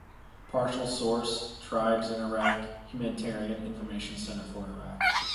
Partial source: Tribes in Iraq, Humanitarian Information Centre for Iraq.